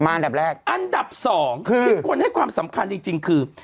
อันดับแรกอันดับสองคือคนให้ความสำคัญจริงคือ